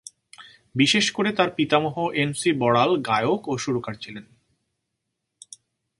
বিশেষ করে তার পিতামহ এন সি বড়াল গায়ক ও সুরকার ছিলেন।